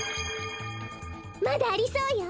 まだありそうよ。